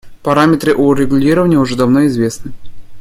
Параметры урегулирования уже давно известны.